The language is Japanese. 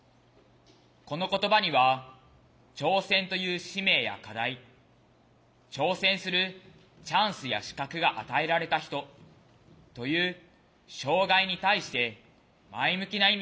この言葉には「挑戦という使命や課題挑戦するチャンスや資格が与えられた人」という障害に対して前向きな意味がある。